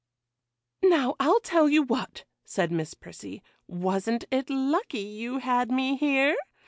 'Now, I'll tell you what,' said Miss Prissy,—'wasn't it lucky you had me here?